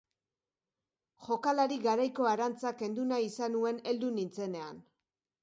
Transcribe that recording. Jokalari garaiko arantza kendu nahi izan nuen heldu nintzenean.